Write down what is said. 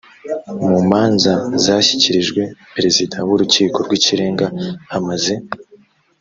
mu manza zashyikirijwe perezida w urukiko rw ikirenga hamaze